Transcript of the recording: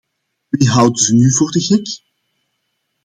Wie houden ze nu voor de gek?